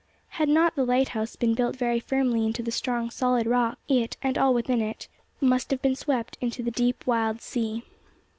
Had not the lighthouse been built very firmly into the strong solid rock, it, and all within it, must have been swept into the deep wild sea.